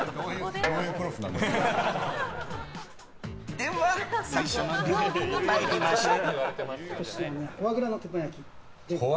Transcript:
では最初の料理に参りましょう。